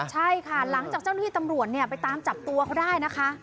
ใช่ค่ะหลังจากเจ้าหน้าที่ตำรวจไปตามจับตัวเขาได้นะคะ